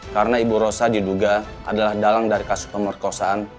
karena ibu rosa diduga adalah dalang dari kasus pemerkosaan